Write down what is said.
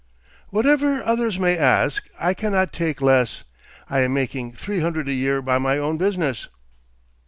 "Whatever others may ask, I cannot take less. I am making three hundred a year by my own business."